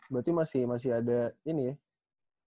berarti masih ada ini ya